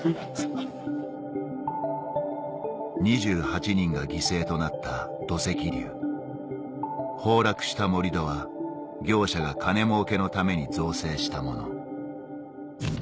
２８人が犠牲となった土石流崩落した盛り土は業者が金もうけのために造成したもの